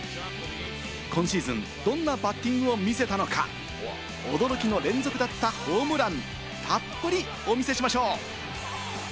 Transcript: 今シーズンどんなバッティングを見せたのか、驚きの連続だったホームラン、たっぷりお見せしましょう。